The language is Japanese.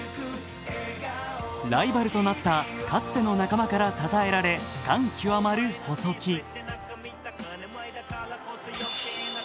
ライバルとなったかつての仲間からたたえられ感極まる細木。